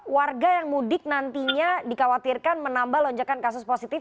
warga yang mudik nantinya dikhawatirkan menambah lonjakan kasus positif